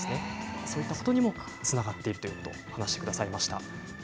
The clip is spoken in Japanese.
そういったことにもつながっているということを話してくださいました。